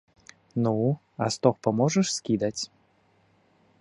Ну, а стог паможаш скідаць?